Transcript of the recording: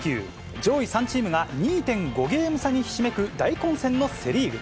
上位３チームが２．５ゲーム差にひしめく大混戦のセ・リーグ。